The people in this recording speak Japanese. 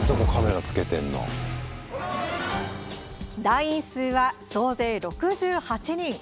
団員数は総勢６８人。